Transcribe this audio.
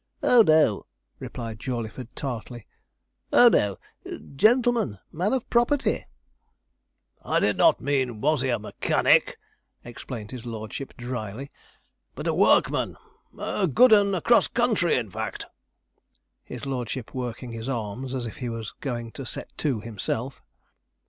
'Oh no,' replied Jawleyford tartly. 'Oh no gentleman, man of property ' 'I did not mean was he a mechanic,' explained his lordship drily, 'but a workman; a good 'un across country, in fact.' His lordship working his arms as if he was going to set to himself.